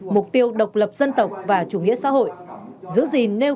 mục tiêu độc lập dân tộc và chủ nghĩa xã hội